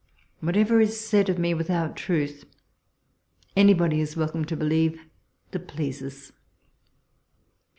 Whatever is said of me without truth, anybody is welcome to believe that pleases.